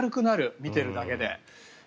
見てるだけで。